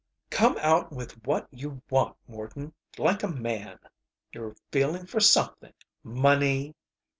"Come out with what you want, Morton, like a man! You're feeling for something. Money?